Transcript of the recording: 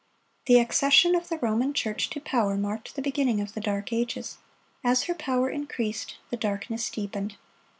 (83) The accession of the Roman Church to power marked the beginning of the Dark Ages. As her power increased, the darkness deepened.